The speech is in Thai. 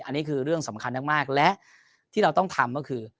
อันนี้คือเรื่องสำคัญมากและที่เราต้องทำก็คือ